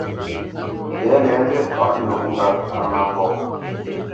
Tɛ̌lɛ nzî fǎʼ nǒ mbə̄ á má mbɔ̂.